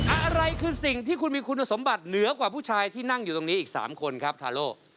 อะไรคือสิ่งที่คุณมีคุณสมบัติเหนือกว่าผู้ชายที่นั่งอยู่ตรงนี้อีก๓คนครับทาโล